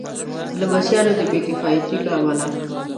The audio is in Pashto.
د لمسیانو د بې کفایتیو له امله.